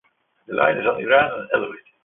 The line is underground and elevated.